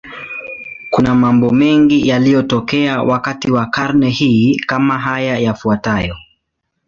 Kuna mambo mengi yaliyotokea wakati wa karne hii, kama haya yafuatayo.